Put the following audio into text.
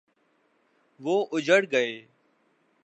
وہ اجڑ گئے۔